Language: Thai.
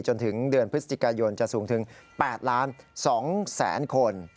จนถึงเดือนพฤศจิกายนจะสูงถึง๘ล้าน๒แสนคน